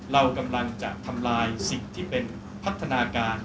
เรากำลังจะทำลายสิ่งที่เป็นพัฒนาการ